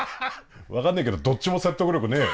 分かんねえけどどっちも説得力ねえよ。